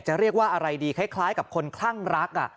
จะเรียกว่าอะไรดีคล้ายกับคนคลั่งรัก